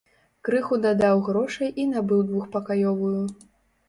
Крыху дадаў грошай і набыў двухпакаёвую.